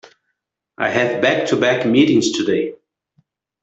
I have back-to-back meetings today.